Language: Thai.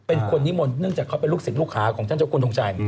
เป็นคนนิมนต์เนื่องจากเขาเป็นลูกศิษย์ลูกหาของท่านเจ้าคุณทงชัย